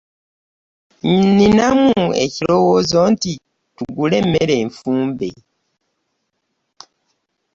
Ninamu ekirowoozo nti tugule mmere nfumbe.